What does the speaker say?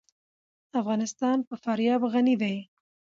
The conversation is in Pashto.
افغانستان په فاریاب غني دی.